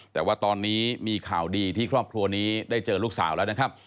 แต่ว่าตอนนี้มีข่าวดีที่ครอบครัวนี้ได้เจอลูกสาวแล้วนะครับ